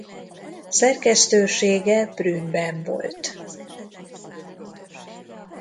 Szerkesztősége Brünnben volt.